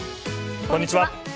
こんにちは。